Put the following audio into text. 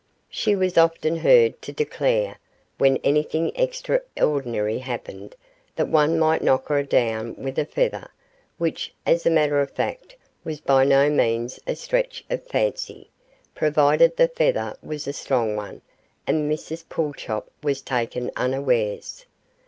She was often heard to declare, when anything extra ordinary happened, that one might 'knock her down with a feather', which, as a matter of fact, was by no means a stretch of fancy, provided the feather was a strong one and Mrs Pulchop was taken unawares.